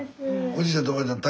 おじいちゃんとおばあちゃん